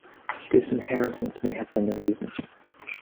Disinheritance may have been the reason.